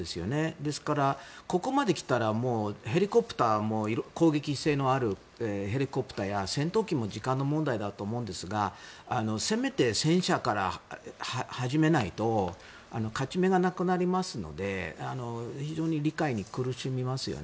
ですから、ここまで来たらヘリコプターも攻撃性のあるヘリコプターや戦闘機も時間の問題だと思うんですがせめて戦車から始めないと勝ち目がなくなりますので非常に理解に苦しみますよね。